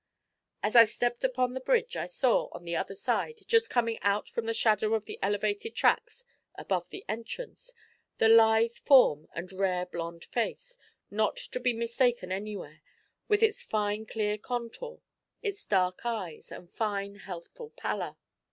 As I stepped upon the bridge I saw, on the other side, just coming out from the shadow of the elevated tracks above the entrance, the lithe form and rare blond face, not to be mistaken anywhere, with its fine clear contour, its dark eyes, and fine healthful pallor.